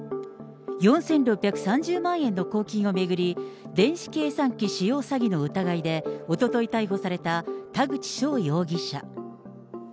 ４６３０万円の公金を巡り、電子計算機使用詐欺の疑いで、おととい逮捕された田口翔容疑者。